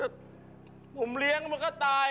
ต้นอ้อผมยังไม่ตาย